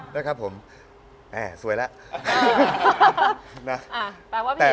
แล้วครับผมแอ่สวยละ